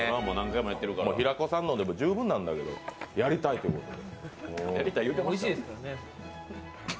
平子さんのでも十分なんだけど、やりたいいうことで。